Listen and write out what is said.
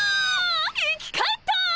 生き返った！